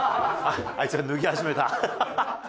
あいつが脱ぎ始めた。